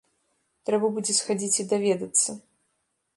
Трэба будзе схадзіць і даведацца.